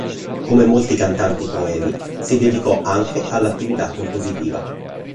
Come molti cantanti coevi, si dedicò anche all'attività compositiva.